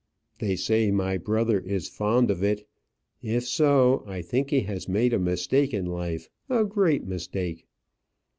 They say my brother is fond of it; if so, I think he has made a mistake in life a great mistake."